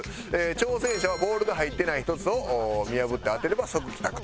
挑戦者はボールが入ってない１つを見破って当てれば即帰宅と。